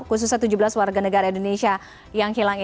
khususnya tujuh belas warga negara indonesia